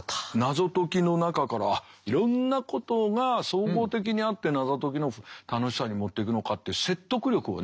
謎解きの中からいろんなことが総合的にあって謎解きの楽しさに持ってくのかっていう説得力をね。